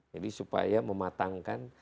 jadi supaya mematangkan